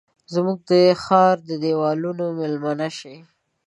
زموږ د ښارد دیوالونو میلمنه شي